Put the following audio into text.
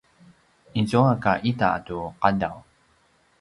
izua ka ita tu qadaw